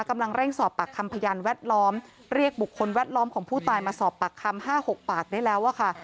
กำลังเร่งสอบปากคำพยานแวดล้อมเรียกบุคคลแวดล้อมของผู้ตายมาสอบปากคำ๕๖ปากได้แล้วอะค่ะ